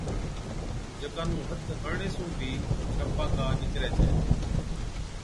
جڪا نُون هٿ هڻڻي سُون بِي ڇاپاڪا نِڪرَي ڇَي۔